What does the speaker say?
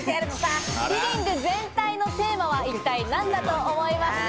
リビング全体のテーマは一体何だと思いますか？